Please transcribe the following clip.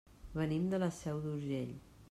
Venim de la Seu d'Urgell.